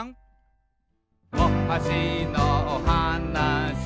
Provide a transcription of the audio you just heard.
「おはしのおはなし」